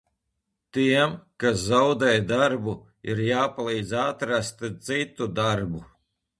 Tiem, kas zaudē darbu, ir jāpalīdz atrast citu darbu.